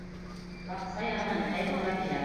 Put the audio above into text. Баҡса яғынан Хәйбулла килә.